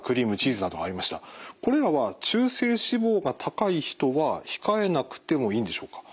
これらは中性脂肪が高い人は控えなくてもいいんでしょうか？